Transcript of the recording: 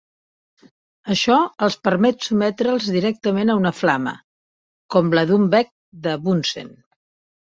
Això els permet sotmetre'ls directament a una flama, com la d'un bec de Bunsen.